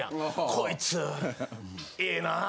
「こいつええなぁ」